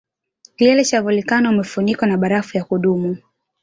Kilele cha volkano umefunikwa na barafu ya kudumu